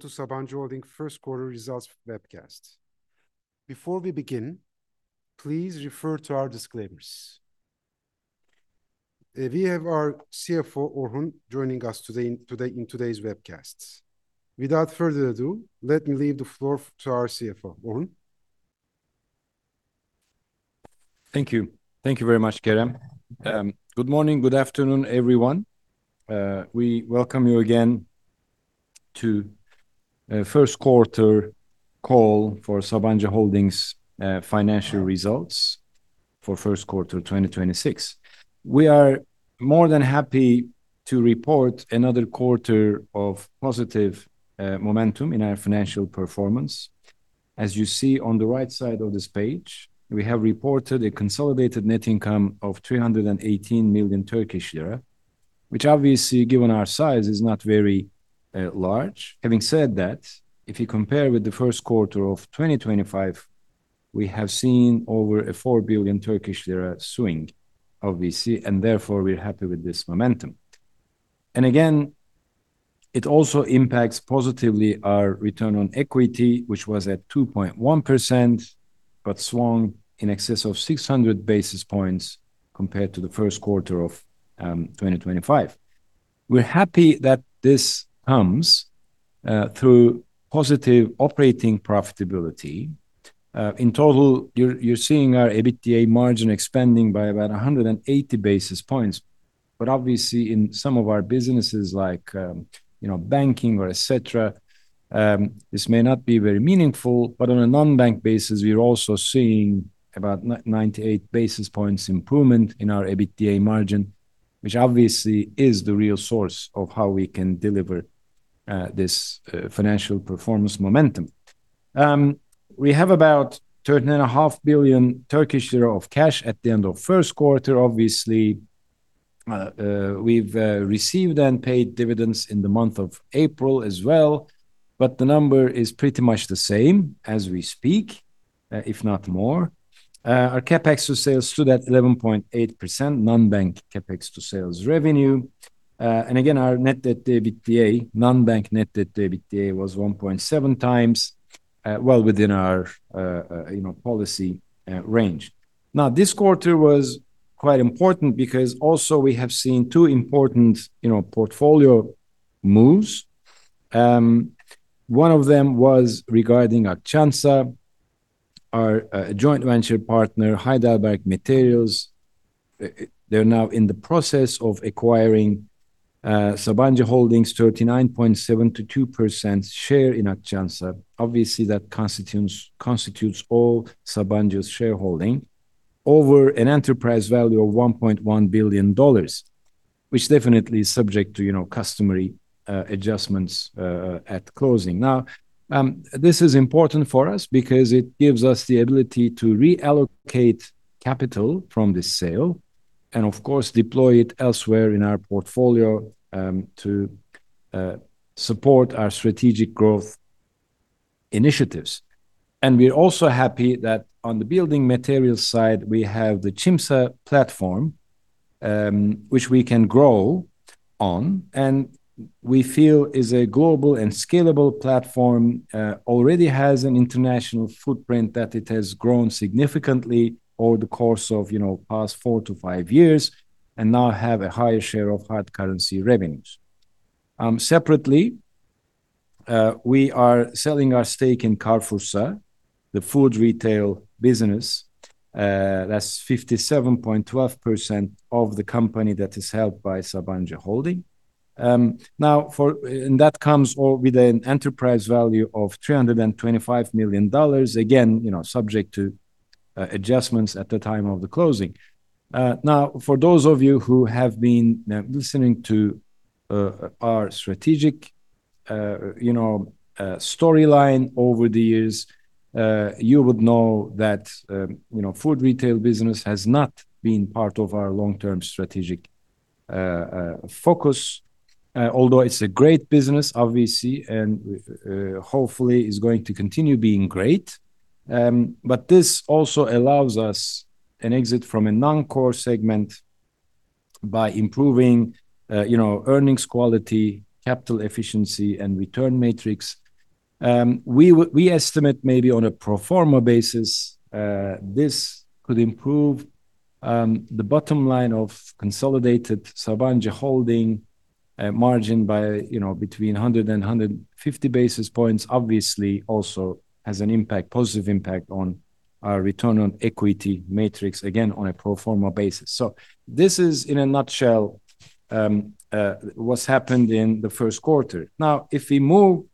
To Sabancı Holding first quarter results webcast. Before we begin, please refer to our disclaimers. We have our CFO, Orhun, joining us today in today's webcasts. Without further ado, let me leave the floor to our CFO. Orhun? Thank you. Thank you very much, Kerem. Good morning, good afternoon, everyone. We welcome you again to a first quarter call for Sabancı Holding's financial results for first quarter of 2026. We are more than happy to report another quarter of positive momentum in our financial performance. As you see on the right side of this page, we have reported a consolidated net income of 318 million Turkish lira, which obviously given our size is not very large. Having said that, if you compare with the first quarter of 2025, we have seen over a 4 billion Turkish lira swing, obviously, and therefore we're happy with this momentum. Again, it also impacts positively our Return on Equity, which was at 2.1%, but swung in excess of 600 basis points compared to the first quarter of 2025. We're happy that this comes through positive operating profitability. In total you're seeing our EBITDA margin expanding by about 180 basis points. Obviously in some of our businesses like, you know, banking or et cetera, this may not be very meaningful. On a non-bank basis, we're also seeing about 98 basis points improvement in our EBITDA margin, which obviously is the real source of how we can deliver this financial performance momentum. We have about 30.5 billion Turkish lira of cash at the end of first quarter. Obviously, we've received and paid dividends in the month of April as well. The number is pretty much the same as we speak, if not more. Our CapEx to sales stood at 11.8% non-bank CapEx to sales revenue. Our net debt to EBITDA, non-bank net debt to EBITDA was 1.7x, well within our, you know, policy range. This quarter was quite important because also we have seen two important, you know, portfolio moves. One of them was regarding Akçansa. Our joint venture partner, Heidelberg Materials, they're now in the process of acquiring Sabancı Holding's 39.72% share in Akçansa. Obviously, that constitutes all Sabancı's shareholding over an enterprise value of $1.1 billion, which definitely is subject to, you know, customary adjustments at closing. Now, this is important for us because it gives us the ability to reallocate capital from this sale and of course deploy it elsewhere in our portfolio to support our strategic growth initiatives. We're also happy that on the building material side, we have the Çimsa platform, which we can grow on, and we feel is a global and scalable platform. Already has an international footprint that it has grown significantly over the course of, you know, past 4-5 years, and now have a higher share of hard currency revenues. Separately, we are selling our stake in CarrefourSA, the food retail business. That's 57.12% of the company that is held by Sabancı Holding. That comes with an enterprise value of $325 million, again, you know, subject to adjustments at the time of the closing. Now for those of you who have been listening to our strategic, you know, storyline over the years, you would know that, you know, food retail business has not been part of our long-term strategic focus. Although it's a great business obviously, and hopefully is going to continue being great. This also allows us an exit from a non-core segment by improving, you know, earnings quality, capital efficiency, and return matrix. We estimate maybe on a pro forma basis, this could improve the bottom line of consolidated Sabancı Holding margin by between 100 and 150 basis points. Obviously also has an impact, positive impact on our return on equity matrix, again on a pro forma basis. This is in a nutshell what's happened in the first quarter. If we move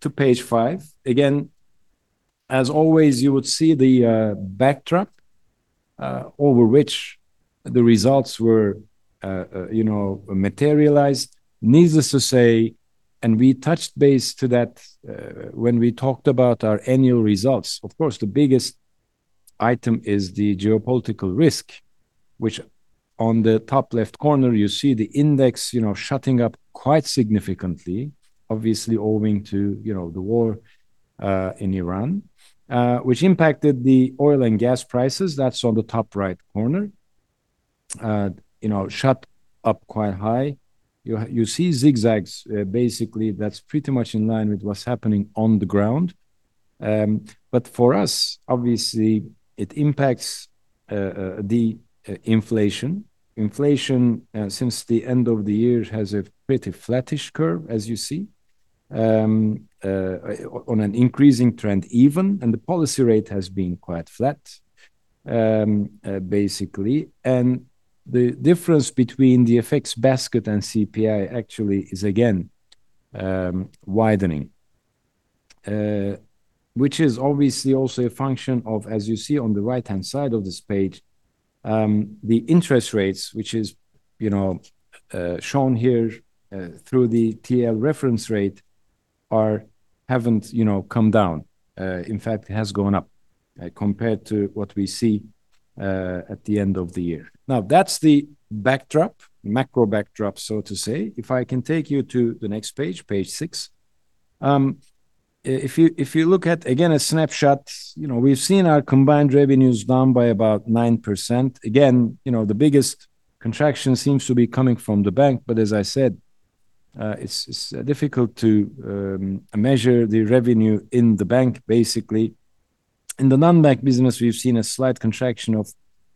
to page five, again, as always, you would see the backdrop over which the results were materialized. Needless to say, we touched base to that when we talked about our annual results. The biggest item is the geopolitical risk, which on the top left corner you see the index shutting up quite significantly. Obviously owing to, you know, the war in Iran, which impacted the oil and gas prices. That's on the top right corner. You know, shot up quite high. You see zigzags, basically that's pretty much in line with what's happening on the ground. For us, obviously, it impacts the inflation. Inflation since the end of the year has a pretty flattish curve, as you see, on an increasing trend even, and the policy rate has been quite flat, basically. The difference between the FX basket and CPI actually is again widening. Which is obviously also a function of, as you see on the right-hand side of this page, the interest rates, which is, you know, shown here, through the TLREF haven't, you know, come down. In fact, it has gone up, compared to what we see, at the end of the year. That's the backdrop, macro backdrop, so to say. If I can take you to the next page six. If you, if you look at, again, a snapshot, you know, we've seen our combined revenues down by about 9%. Again, you know, the biggest contraction seems to be coming from the bank, as I said, it's difficult to measure the revenue in the bank, basically. In the non-bank business, we've seen a slight contraction of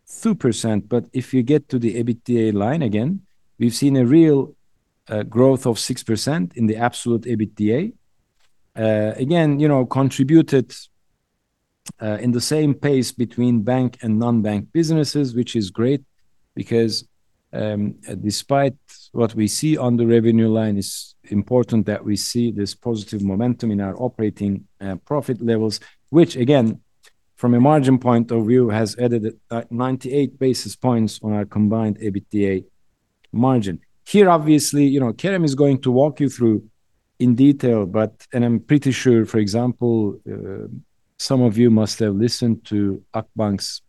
2%, if you get to the EBITDA line, again, we've seen a real growth of 6% in the absolute EBITDA. Again, you know, contributed in the same pace between bank and non-bank businesses, which is great because, despite what we see on the revenue line, it's important that we see this positive momentum in our operating profit levels, which again, from a margin point of view, has added 98 basis points on our combined EBITDA margin. Here, obviously, you know, Kerem is going to walk you through in detail. I'm pretty sure, for example, some of you must have listened to Akbank's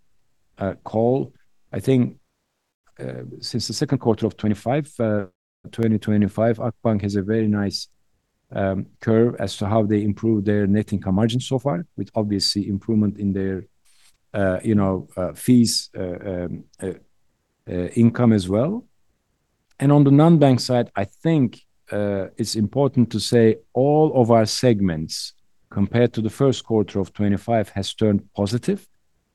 call. I think, since the second quarter of 2025, Akbank has a very nice curve as to how they improved their net income margin so far, with obviously improvement in their, you know, fees income as well. On the non-bank side, I think, it's important to say all of our segments compared to the first quarter of 2025 has turned positive,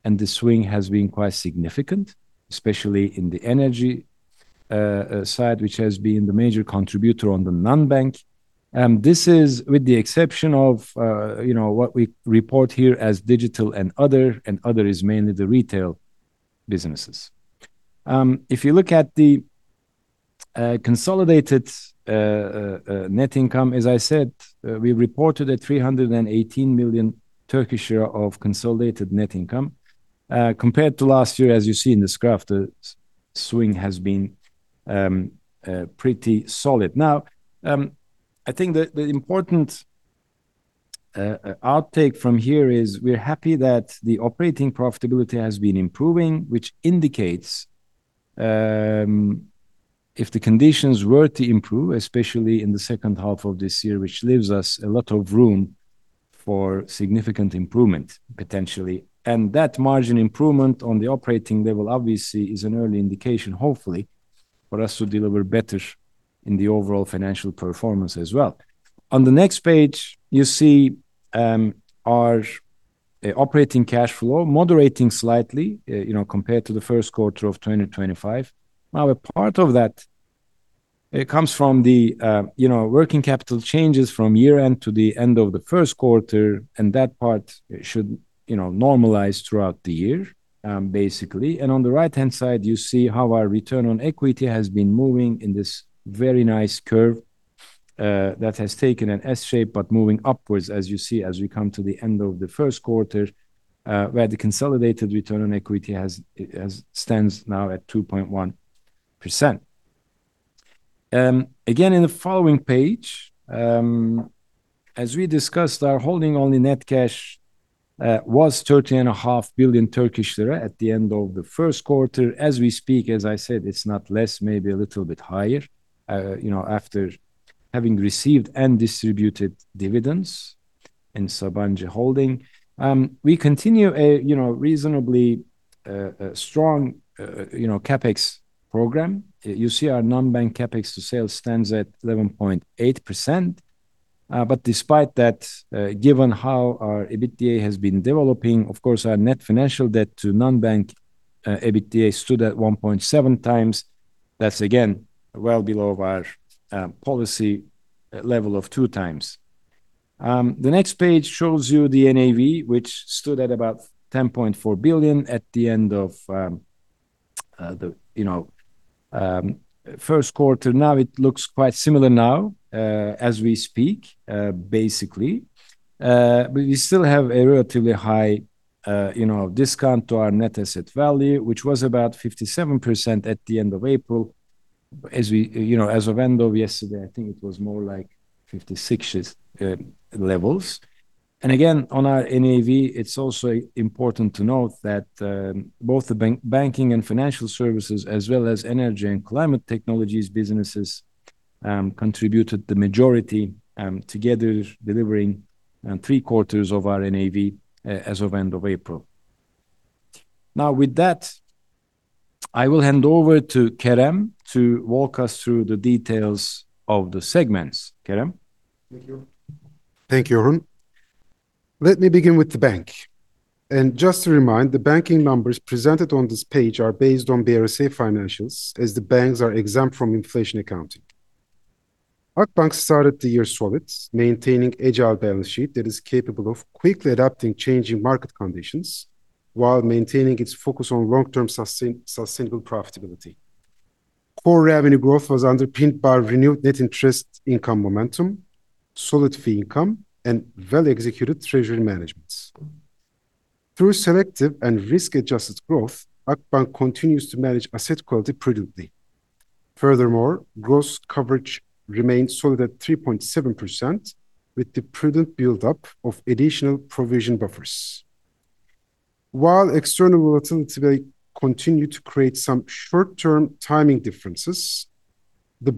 and the swing has been quite significant, especially in the energy side, which has been the major contributor on the non-bank. This is with the exception of, you know, what we report here as digital and other, and other is mainly the retail businesses. If you look at the consolidated net income, as I said, we reported a 318 million of consolidated net income. Compared to last year, as you see in this graph, the swing has been pretty solid. I think the important outtake from here is we're happy that the operating profitability has been improving, which indicates, if the conditions were to improve, especially in the second half of this year, which leaves us a lot of room for significant improvement, potentially. That margin improvement on the operating level, obviously, is an early indication, hopefully, for us to deliver better in the overall financial performance as well. On the next page, you see our operating cash flow moderating slightly, you know, compared to the first quarter of 2025. A part of that comes from the, you know, working capital changes from year-end to the end of the first quarter, and that part should, you know, normalize throughout the year. On the right-hand side, you see how our return on equity has been moving in this very nice curve that has taken an S shape, but moving upwards, as you see, as we come to the end of the first quarter, where the consolidated return on equity stands now at 2.1%. Again, in the following page, as we discussed, our holding only net cash was 30.5 billion Turkish lira at the end of the first quarter. As we speak, as I said, it's not less, maybe a little bit higher, you know, after having received and distributed dividends in Sabancı Holding. We continue a, you know, reasonably strong, you know, CapEx program. You see our non-bank CapEx to sales stands at 11.8%. Despite that, given how our EBITDA has been developing, of course, our net financial debt to non-bank EBITDA stood at 1.7x. That's again, well below our policy level of 2x. The next page shows you the NAV, which stood at about 10.4 billion at the end of the, you know, first quarter. Now, it looks quite similar now, as we speak. We still have a relatively high, you know, discount to our net asset value, which was about 57% at the end of April. You know, as of end of yesterday, I think it was more like 56 levels. Again, on our NAV, it's also important to note that both the banking and financial services, as well as energy and climate technologies businesses contributed the majority, together delivering three quarters of our NAV as of end of April. With that, I will hand over to Kerem to walk us through the details of the segments. Kerem? Thank you. Thank you, Orhun. Let me begin with the bank. Just to remind, the banking numbers presented on this page are based on BRSA financials, as the banks are exempt from inflation accounting. Akbank started the year solid, maintaining agile balance sheet that is capable of quickly adapting changing market conditions while maintaining its focus on long-term sustainable profitability. Core revenue growth was underpinned by renewed net interest income momentum, solid fee income, and well-executed treasury management. Through selective and risk-adjusted growth, Akbank continues to manage asset quality prudently. Furthermore, gross coverage remained solid at 3.7%, with the prudent build-up of additional provision buffers. While external volatility continue to create some short-term timing differences, the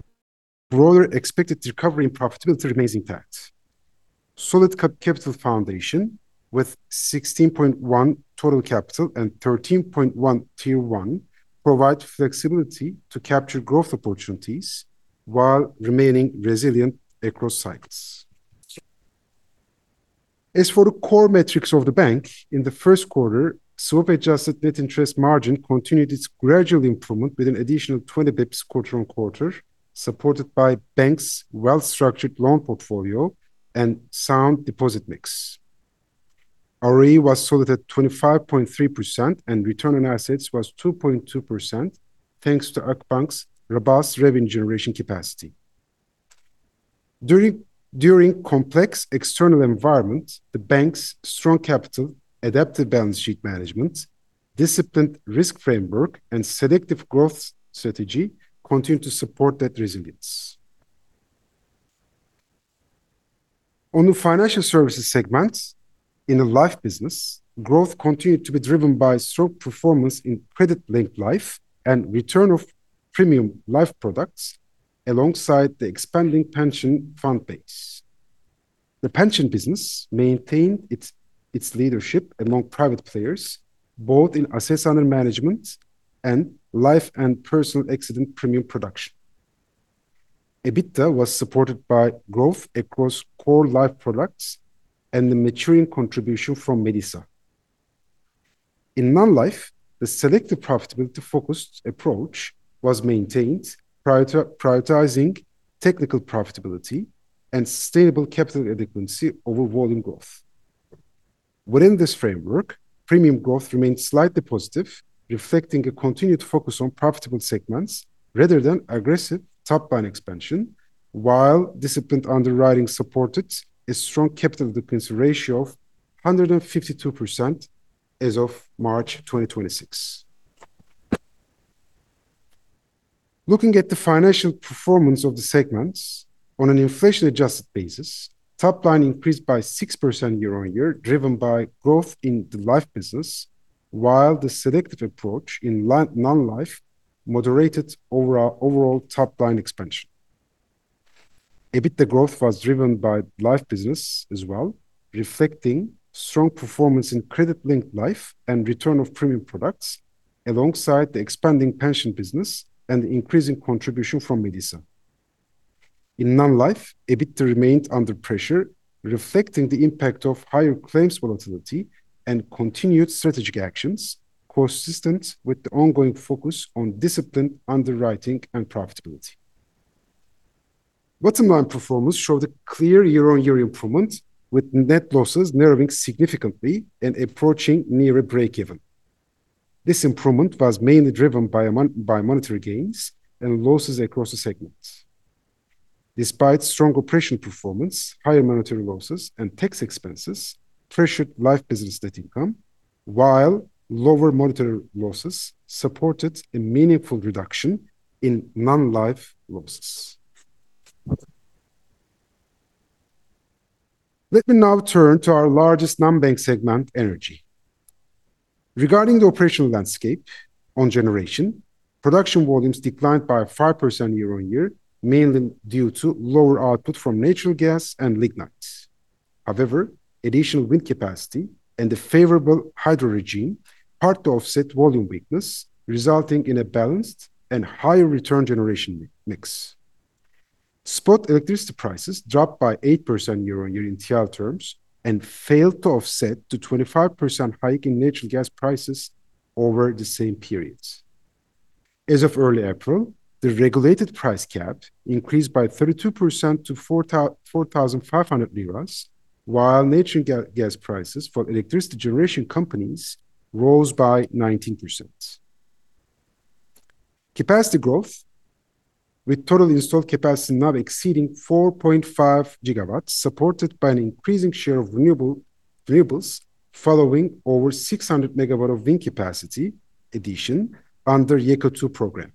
broader expected recovery in profitability remains intact. Solid capital foundation with 16.1 total capital and 13.1 Tier 1 provide flexibility to capture growth opportunities while remaining resilient across cycles. As for the core metrics of the bank, in the first quarter, swap-adjusted net interest margin continued its gradual improvement with an additional 20 basis point quarter-on-quarter, supported by bank's well-structured loan portfolio and sound deposit mix. ROE was solid at 25.3%, and return on assets was 2.2%, thanks to Akbank's robust revenue generation capacity. During complex external environment, the bank's strong capital, adaptive balance sheet management, disciplined risk framework, and selective growth strategy continue to support that resilience. On the financial services segments, in the life business, growth continued to be driven by strong performance in credit-linked life and return of premium life products alongside the expanding pension fund base. The pension business maintained its leadership among private players, both in assets under management and life and personal accident premium production. EBITDA was supported by growth across core life products and the maturing contribution from Medisa. In non-life, the selective profitability-focused approach was maintained prioritizing technical profitability and sustainable capital adequacy over volume growth. Within this framework, premium growth remained slightly positive, reflecting a continued focus on profitable segments rather than aggressive top-line expansion, while disciplined underwriting supported a strong capital adequacy ratio of 152% as of March 2026. Looking at the financial performance of the segments on an inflation-adjusted basis, top line increased by 6% year-on-year, driven by growth in the life business, while the selective approach in non-life moderated over our overall top-line expansion. EBITDA growth was driven by life business as well, reflecting strong performance in credit-linked life and return of premium products alongside the expanding pension business and the increasing contribution from Medisa. In non-life, EBITDA remained under pressure, reflecting the impact of higher claims volatility and continued strategic actions consistent with the ongoing focus on disciplined underwriting and profitability. Bottom line performance showed a clear year-on-year improvement, with net losses narrowing significantly and approaching near a break even. This improvement was mainly driven by monetary gains and losses across the segments. Despite stronger pension performance, higher monetary losses and tax expenses pressured life business net income, while lower monetary losses supported a meaningful reduction in non-life losses. Let me now turn to our largest non-bank segment, energy. Regarding the operational landscape on generation, production volumes declined by 5% year-on-year, mainly due to lower output from natural gas and lignites. However, additional wind capacity and the favorable hydro regime part to offset volume weakness, resulting in a balanced and higher return generation mix. Spot electricity prices dropped by 8% year-on-year in TRY terms and failed to offset the 25% hike in natural gas prices over the same periods. As of early April, the regulated price cap increased by 32% to 4,500, while natural gas prices for electricity generation companies rose by 19%. Capacity growth with total installed capacity now exceeding 4.5 GW, supported by an increasing share of renewables following over 600 MW of wind capacity addition under YEKA-II program.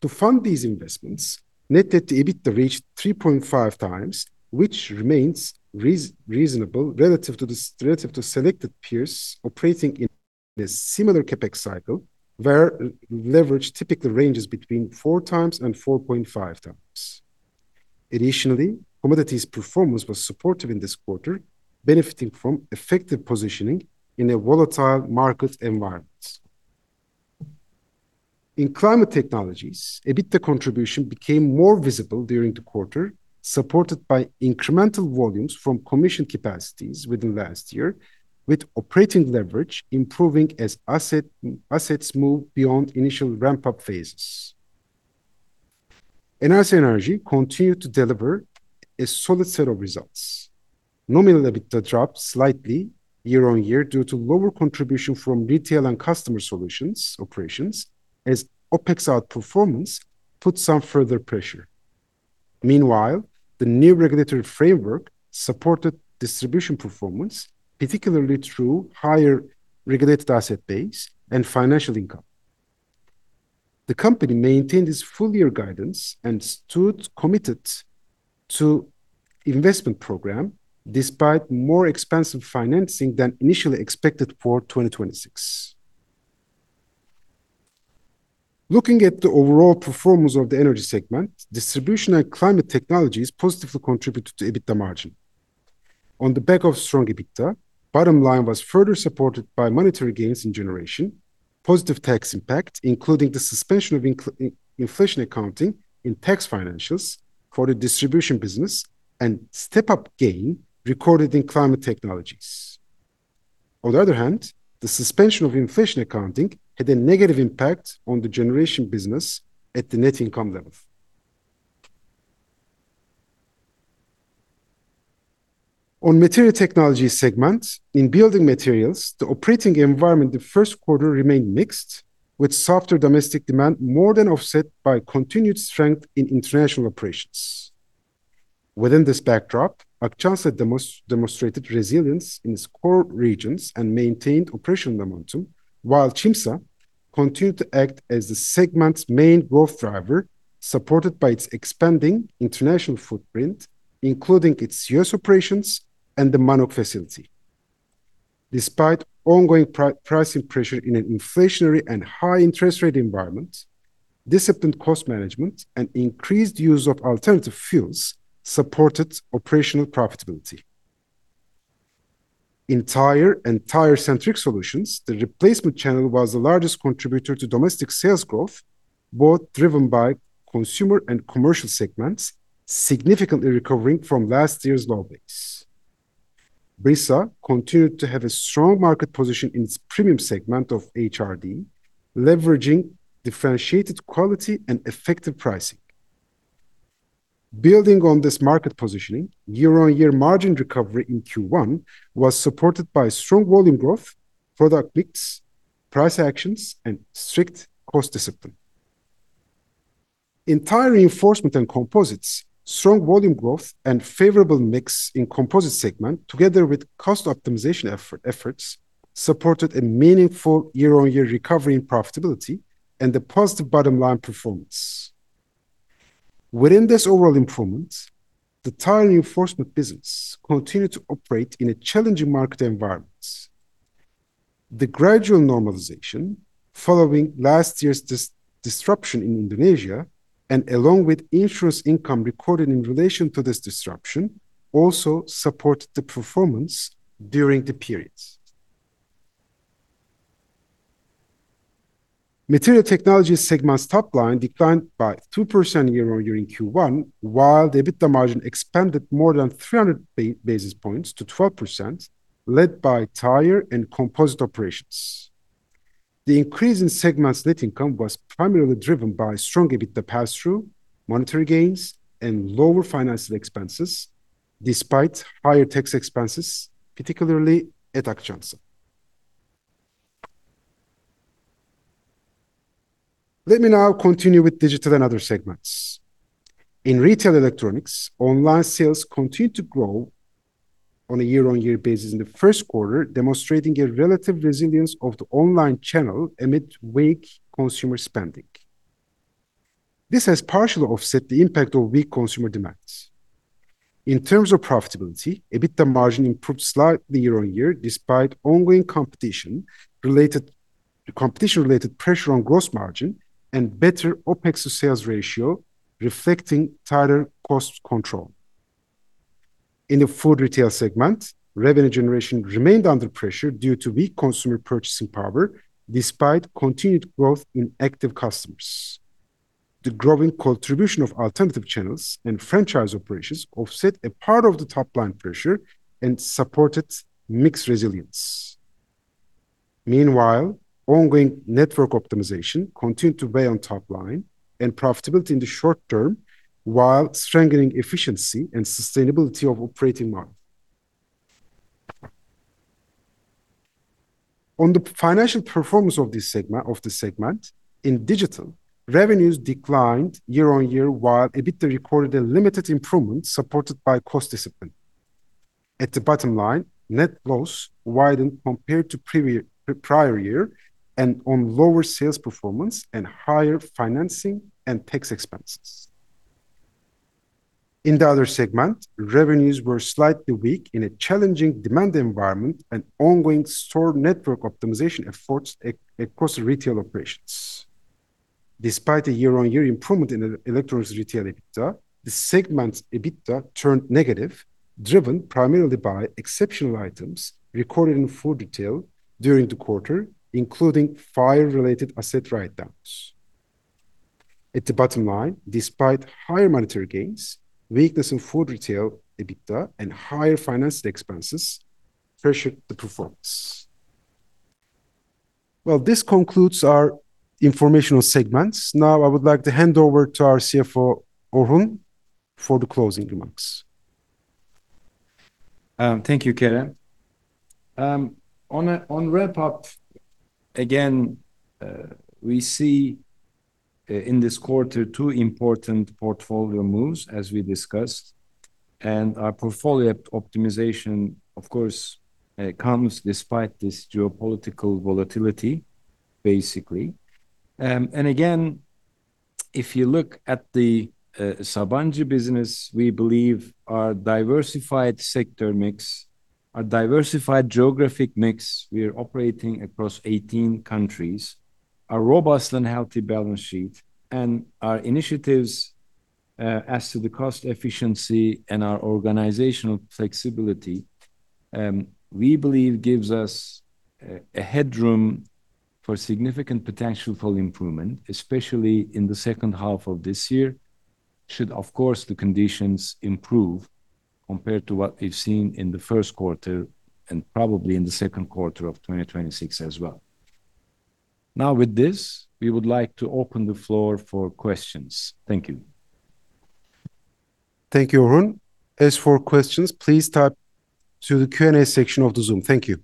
To fund these investments, net debt to EBITDA reached 3.5x, which remains reasonable relative to selected peers operating in a similar CapEx cycle where leverage typically ranges between 4x and 4.5x. Additionally, commodities performance was supportive in this quarter, benefiting from effective positioning in a volatile market environment. In climate technologies, EBITDA contribution became more visible during the quarter, supported by incremental volumes from commissioned capacities within last year, with operating leverage improving as assets move beyond initial ramp-up phases. Enerji continued to deliver a solid set of results. Nominal EBITDA dropped slightly year-over-year due to lower contribution from retail and customer solutions operations as OpEx outperformance put some further pressure. Meanwhile, the new regulatory framework supported distribution performance, particularly through higher regulated asset base and financial income. The company maintained its full-year guidance and stood committed to investment program despite more expensive financing than initially expected for 2026. Looking at the overall performance of the energy segment, distribution and climate technologies positively contributed to EBITDA margin. On the back of strong EBITDA, bottom line was further supported by monetary gains in generation, positive tax impact, including the suspension of inflation accounting in tax financials for the distribution business and step-up gain recorded in climate technologies. On the other hand, the suspension of inflation accounting had a negative impact on the generation business at the net income level. On Material Technologies segment, in Building Materials, the operating environment in the first quarter remained mixed, with softer domestic demand more than offset by continued strength in international operations. Within this backdrop, Akçansa demonstrated resilience in its core regions and maintained operational momentum, while Çimsa continued to act as the segment's main growth driver, supported by its expanding international footprint, including its U.S. operations and the Mannok facility. Despite ongoing pricing pressure in an inflationary and high interest rate environment, disciplined cost management and increased use of alternative fuels supported operational profitability. In Tire and Tire Centric Solutions, the replacement channel was the largest contributor to domestic sales growth, both driven by consumer and commercial segments significantly recovering from last year's low base. Brisa continued to have a strong market position in its premium segment of HRD, leveraging differentiated quality and effective pricing. Building on this market positioning, year-on-year margin recovery in Q1 was supported by strong volume growth, product mix, price actions, and strict cost discipline. In Tire Reinforcement and Composites, strong volume growth and favorable mix in composites segment, together with cost optimization efforts, supported a meaningful year-on-year recovery in profitability and a positive bottom-line performance. Within this overall improvement, the tire reinforcement business continued to operate in a challenging market environment. The gradual normalization following last year's disruption in Indonesia and along with insurance income recorded in relation to this disruption also supported the performance during the period. Material Technologies segment's top line declined by 2% year-on-year in Q1, while the EBITDA margin expanded more than 300 basis points to 12%, led by tire and composite operations. The increase in segment's net income was primarily driven by strong EBITDA pass-through, monetary gains, and lower financial expenses despite higher tax expenses, particularly at Akçansa. Let me now continue with Digital and Other segments. In Retail Electronics, online sales continued to grow on a year-on-year basis in the first quarter, demonstrating a relative resilience of the online channel amid weak consumer spending. This has partially offset the impact of weak consumer demands. In terms of profitability, EBITDA margin improved slightly year-on-year despite ongoing competition-related pressure on gross margin and better OpEx to sales ratio reflecting tighter cost control. In the Food Retail segment, revenue generation remained under pressure due to weak consumer purchasing power despite continued growth in active customers. The growing contribution of alternative channels and franchise operations offset a part of the top-line pressure and supported mix resilience. Meanwhile, ongoing network optimization continued to weigh on top-line and profitability in the short term while strengthening efficiency and sustainability of operating model. On the financial performance of this segment, in Digital, revenues declined year-on-year, while EBITDA recorded a limited improvement supported by cost discipline. At the bottom line, net loss widened compared to prior year and on lower sales performance and higher financing and tax expenses. In the other segment, revenues were slightly weak in a challenging demand environment and ongoing store network optimization efforts across retail operations. Despite a year-on-year improvement in electronics retail EBITDA, the segment's EBITDA turned negative, driven primarily by exceptional items recorded in food retail during the quarter, including fire-related asset write-downs. At the bottom line, despite higher monetary gains, weakness in food retail EBITDA and higher finance expenses pressured the performance. Well, this concludes our informational segments. Now I would like to hand over to our CFO, Orhun, for the closing remarks. Thank you, Kerem. On wrap up, again, we see in this quarter two important portfolio moves as we discussed, our portfolio optimization, of course, comes despite this geopolitical volatility. Again, if you look at the Sabancı business, we believe our diversified sector mix, our diversified geographic mix, we are operating across 18 countries, a robust and healthy balance sheet, and our initiatives as to the cost efficiency and our organizational flexibility, we believe gives us a headroom for significant potential for improvement, especially in the second half of this year, should, of course, the conditions improve compared to what we've seen in the first quarter and probably in the second quarter of 2026 as well. With this, we would like to open the floor for questions. Thank you. Thank you, Orhun. As for questions, please type to the Q&A section of the Zoom. Thank you.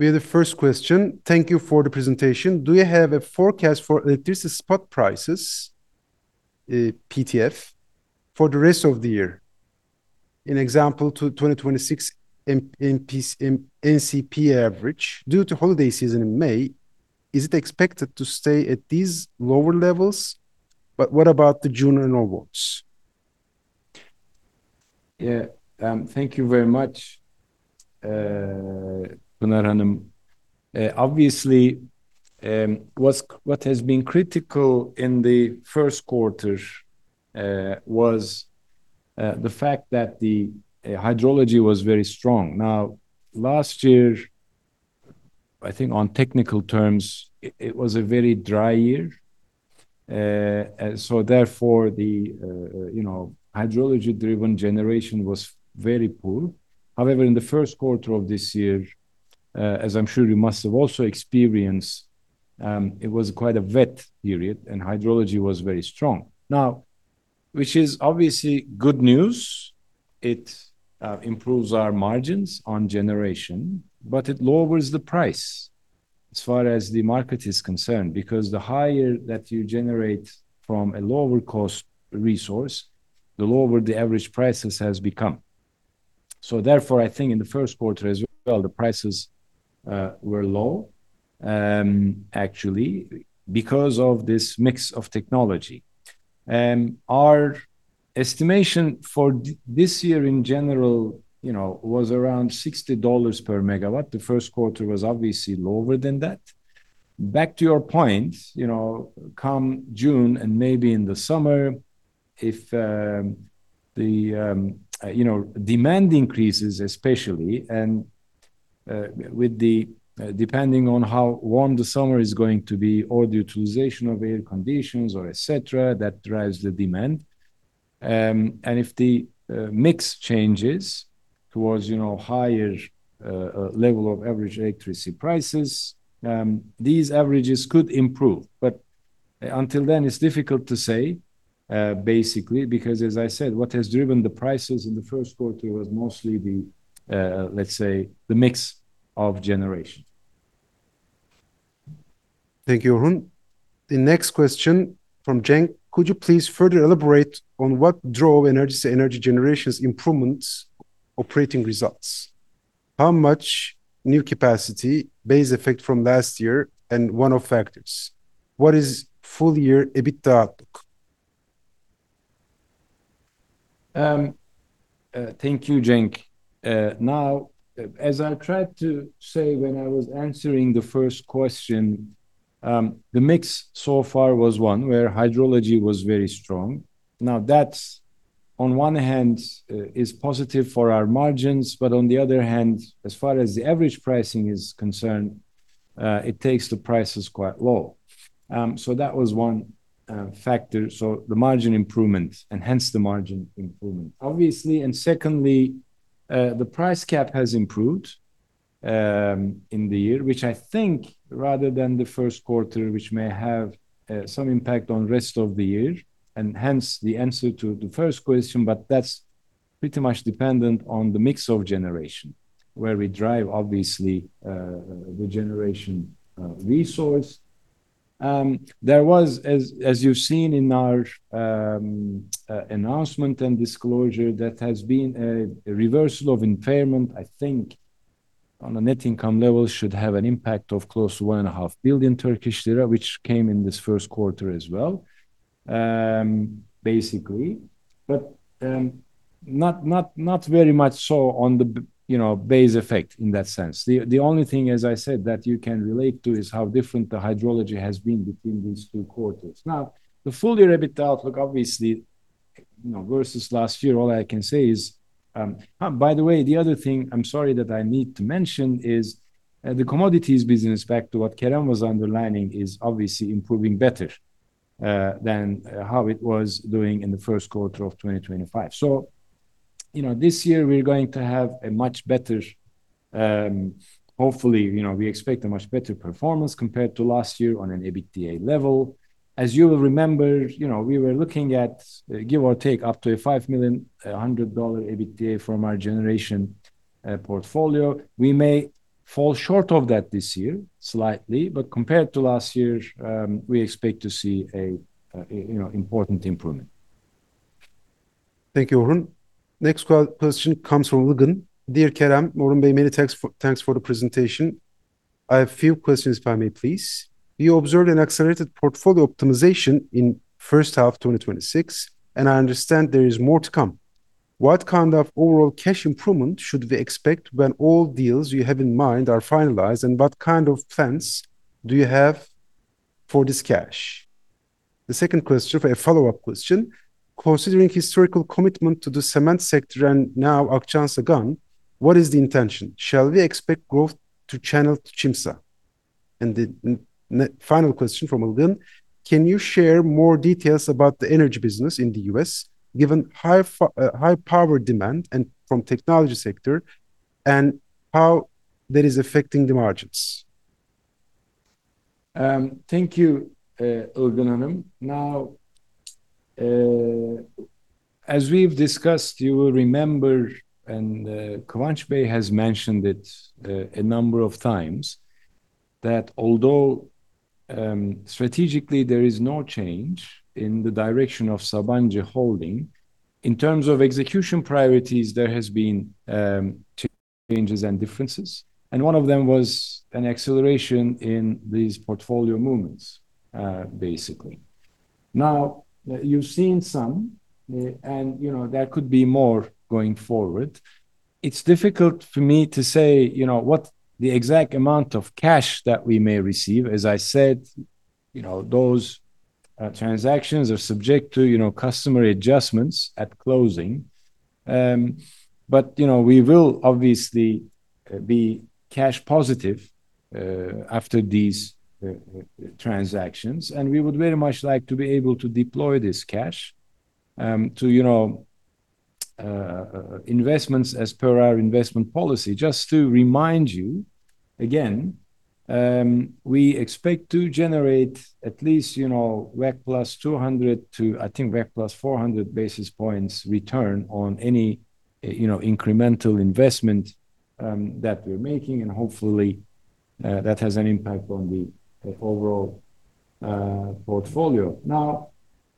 We have the first question. Thank you for the presentation. Do you have a forecast for electricity spot prices, PTF, for the rest of the year? In example, to 2026 MCP average due to holiday season in May, is it expected to stay at these lower levels? What about the June renewals? Thank you very much, Pınar Hanım. Obviously, what has been critical in the first quarter was the fact that the hydrology was very strong. Last year, I think on technical terms, it was a very dry year. Therefore, you know, hydrology-driven generation was very poor. However, in the first quarter of this year, as I'm sure you must have also experienced, it was quite a wet period, and hydrology was very strong. Which is obviously good news. It improves our margins on generation, but it lowers the price as far as the market is concerned, because the higher that you generate from a lower cost resource, the lower the average prices has become. I think in the first quarter as well, the prices were low, actually because of this mix of technology. Our estimation for this year in general, you know, was around $60 per megawatts. The first quarter was obviously lower than that. Back to your point, you know, come June and maybe in the summer, if the, you know, demand increases especially, and with the depending on how warm the summer is going to be or the utilization of air conditions or etcetera, that drives the demand. And if the mix changes towards, you know, higher level of average electricity prices, these averages could improve. Until then, it's difficult to say, basically, because as I said, what has driven the prices in the first quarter was mostly the, let's say, the mix of generation. Thank you, Orhun. The next question from Cenk: Could you please further elaborate on what drove Enerjisa generation's improvements operating results? How much new capacity, base effect from last year, and one-off factors? What is full year EBITDA outlook? Thank you, Cenk. Now, as I tried to say when I was answering the first question, the mix so far was one where hydrology was very strong. Now, that on one hand, is positive for our margins, but on the other hand, as far as the average pricing is concerned, it takes the prices quite low. That was one factor. The margin improvement, and hence the margin improvement, obviously. Secondly, the price cap has improved in the year, which I think rather than the first quarter, which may have some impact on rest of the year, and hence the answer to the first question. That's pretty much dependent on the mix of generation, where we drive obviously, the generation resource. There was as you've seen in our announcement and disclosure that has been a reversal of impairment, I think on a net income level should have an impact of close to one and a half billion TRY, which came in this first quarter as well, basically. Not very much so on the you know, base effect in that sense. The only thing, as I said, that you can relate to is how different the hydrology has been between these two quarters. The full year EBITDA outlook, obviously, you know, versus last year, all I can say is. By the way, the other thing, I'm sorry, that I need to mention is, the commodities business back to what Kerem was underlining is obviously improving better than how it was doing in the first quarter of 2025. This year, you know, we're going to have a much better, hopefully, you know, we expect a much better performance compared to last year on an EBITDA level. As you will remember, you know, we were looking at, give or take up to a $5 million, $100 EBITDA from our generation portfolio. We may fall short of that this year slightly, but compared to last year, we expect to see a, you know, important improvement. Thank you, Orhun. Next question comes from Ilgin. Dear Kerem, Orhun Bey many thanks for the presentation. I have a few questions if I may, please. We observed an accelerated portfolio optimization in first half 2026. I understand there is more to come. What kind of overall cash improvement should we expect when all deals you have in mind are finalized? What kind of plans do you have for this cash? The second question for a follow-up question. Considering historical commitment to the cement sector and now Akçansa gone, what is the intention? Shall we expect growth to channel to Çimsa? The final question from Ilgin, can you share more details about the energy business in the U.S., given high power demand from technology sector, and how that is affecting the margins? Thank you, Ilgın Hanım. As we've discussed, you will remember, and Kıvanç Bey has mentioned it a number of times, that although strategically there is no change in the direction of Sabancı Holding, in terms of execution priorities, there has been changes and differences, and one of them was an acceleration in these portfolio movements, basically. You've seen some, and you know, there could be more going forward. It's difficult for me to say, you know, what the exact amount of cash that we may receive. As I said, you know, those transactions are subject to, you know, customary adjustments at closing. You know, we will obviously be cash positive after these transactions, and we would very much like to be able to deploy this cash to, you know, investments as per our investment policy. Just to remind you again, we expect to generate at least, you know, WACC +200 to, I think, WACC +400 basis points return on any, you know, incremental investment that we're making, and hopefully, that has an impact on the overall portfolio.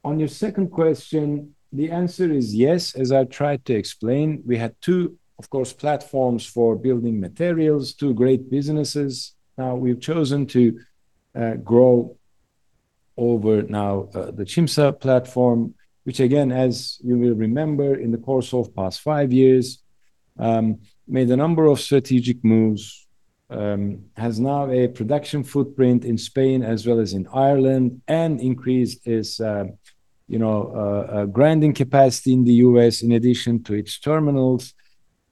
On your second question, the answer is yes. As I tried to explain, we had two, of course, platforms for building materials, two great businesses. Now we've chosen to grow over now the Çimsa platform, which again, as you will remember in the course of past five years, made a number of strategic moves, has now a production footprint in Spain as well as in Ireland, and increased its, you know, grinding capacity in the U.S. in addition to its terminals.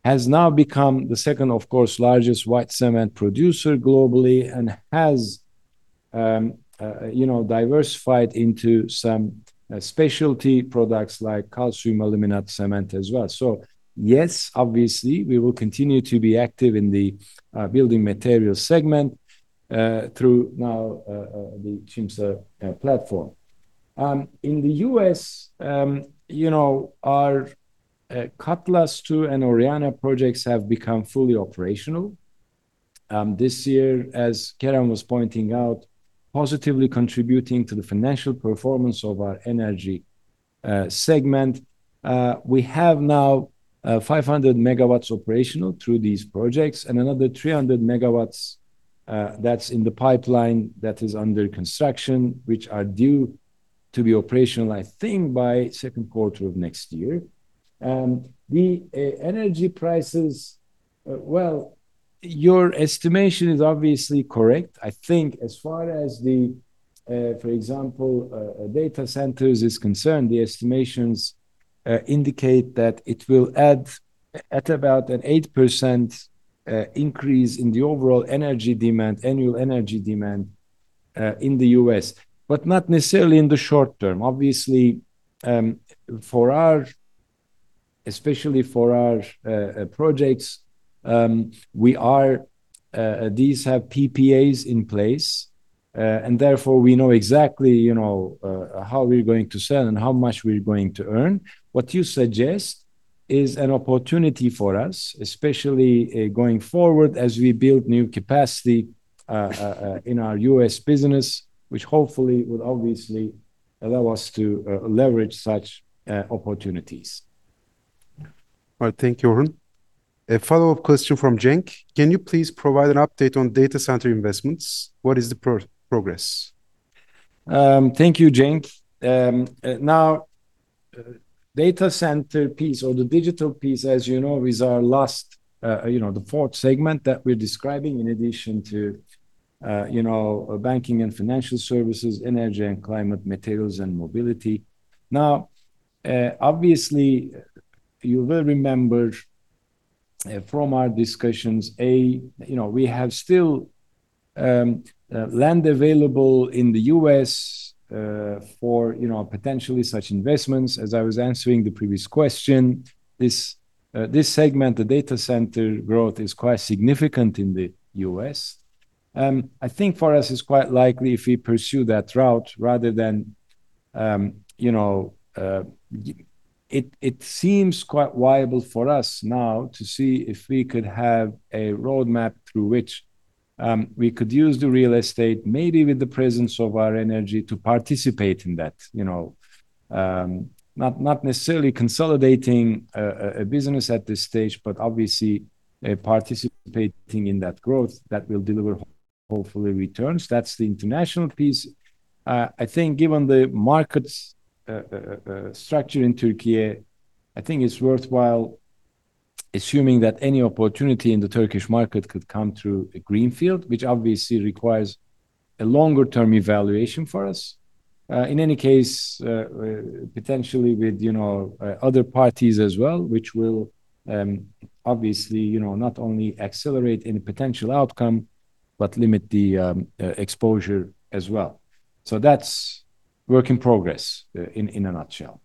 Has now become the second, of course, largest white cement producer globally and has, you know, diversified into some specialty products like calcium aluminate cement as well. Yes, obviously, we will continue to be active in the building materials segment through now the Çimsa platform. In the U.S., you know, our Cutlass II and Oriana projects have become fully operational this year, as Kerem was pointing out, positively contributing to the financial performance of our energy segment. We have now 500 MW operational through these projects and another 300 MW that's in the pipeline that is under construction, which are due to be operational, I think, by second quarter of next year. The energy prices, well, your estimation is obviously correct. I think as far as the, for example, data centers is concerned, the estimations indicate that it will add at about an 8% increase in the overall energy demand, annual energy demand, in the U.S., but not necessarily in the short term. Obviously, for our, especially for our projects, we are, these have PPAs in place. Therefore we know exactly, you know, how we're going to sell and how much we're going to earn. What you suggest is an opportunity for us, especially going forward as we build new capacity in our U.S. business, which hopefully will obviously allow us to leverage such opportunities. All right. Thank you, Orhun. A follow-up question from Cenk: Can you please provide an update on data center investments? What is the progress? Thank you, Cenk. Now, data center piece or the digital piece, as you know, is our last, you know, the fourth segment that we're describing in addition to, you know, banking and financial services, energy and climate, materials and mobility. Now, obviously you will remember from our discussions, A, you know, we have still land available in the U.S. for, you know, potentially such investments. As I was answering the previous question, this segment, the data center growth is quite significant in the U.S. I think for us it's quite likely if we pursue that route rather than, you know, It seems quite viable for us now to see if we could have a roadmap through which, we could use the real estate, maybe with the presence of our energy to participate in that, you know. Not necessarily consolidating a business at this stage, but obviously participating in that growth that will deliver hopefully returns. That's the international piece. I think given the market's structure in Türkiye, I think it's worthwhile assuming that any opportunity in the Turkish market could come through a greenfield, which obviously requires a longer term evaluation for us. In any case, potentially with, you know, other parties as well, which will, obviously, you know, not only accelerate any potential outcome but limit the exposure as well. That's work in progress in a nutshell.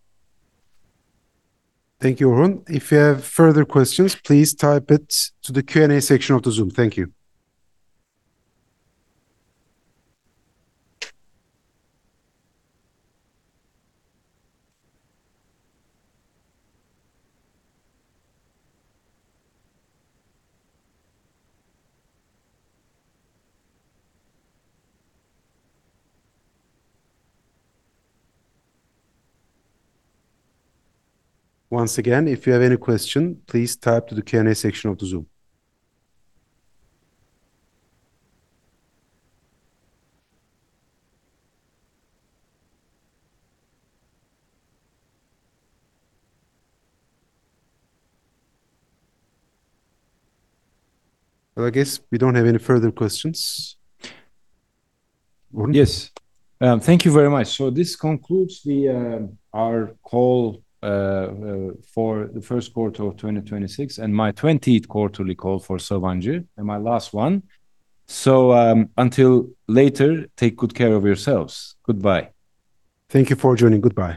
Thank you, Orhun. If you have further questions, please type it to the Q&A section of the Zoom. Thank you. Once again, if you have any question, please type to the Q&A section of the Zoom. I guess we don't have any further questions. Orhun? Yes. Thank you very much. This concludes the our call for the first quarter of 2026, and my 20th quarterly call for Sabancı, and my last one. Until later, take good care of yourselves. Goodbye. Thank you for joining. Goodbye.